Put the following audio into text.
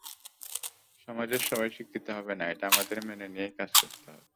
সমাজের সবাই শিক্ষিত হবে না, এটা আমাদের মেনে নিয়েই কাজ করতে হবে।